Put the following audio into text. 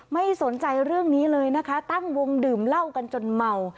ไม่สนใจเรื่องนี้เลยนะคะตั้งวงดื่มเหล้ากันจนเมา